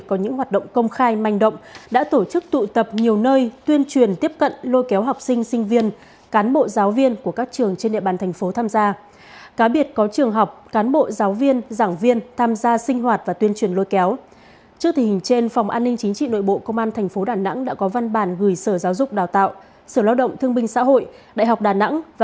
khi phát hiện hoạt động tuyên truyền lôi kéo học sinh sinh viên cán bộ giáo viên cần báo ngay cho cơ quan chức năng để phối hợp ngăn chặn xử lý theo quy định